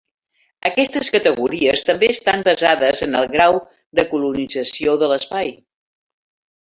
Aquestes categories també estan basades en el grau de colonització de l'espai.